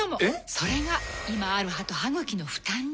それが今ある歯と歯ぐきの負担に。